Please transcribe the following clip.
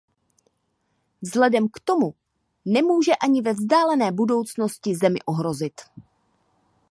Vzhledem k tomu nemůže ani ve vzdálené budoucnosti Zemi ohrozit.